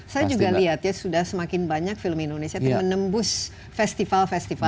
saya juga lihat ya sudah semakin banyak film indonesia itu menembus festival festival